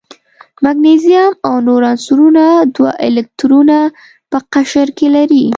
مګنیزیم او نور عنصرونه دوه الکترونه په قشر کې لري.